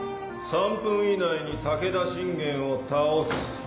「３分以内に武田信玄を倒す」。